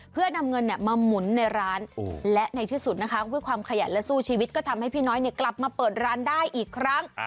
เพื่อนำเงินมาหมุนในร้านและในที่สุดนะคะด้วยความขยันและสู้ชีวิตก็ทำให้พี่น้อยกลับมาเปิดร้านได้อีกครั้ง